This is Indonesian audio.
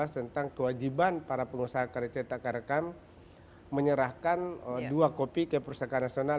tentang kewajiban para pengusaha karya cetakan rekam menyerahkan dua kopi ke perpustakaan nasional